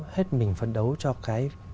hết mình phấn đấu cho cái